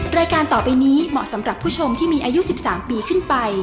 รายการต่อไปนี้เหมาะสำหรับผู้ชมที่มีอายุ๑๓ปีขึ้นไป